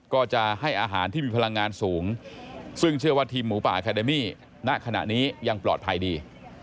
ก็จะให้อาหารที่มีพลังงานสูงซึ่งเชื่อว่าทีมหมูป่าอาคาเดมี่ณขณะนี้ยังปลอดภัยดี